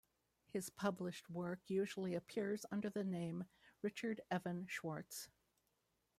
His published work usually appears under the name "Richard Evan Schwartz".